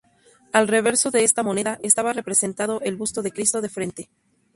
Al reverso de esta moneda estaba representado el busto de Cristo de frente.